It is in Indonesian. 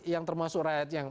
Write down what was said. yang termasuk rakyat yang